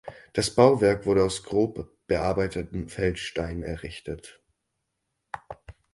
Das Bauwerk wurde aus grob bearbeitetem Feldstein errichtet.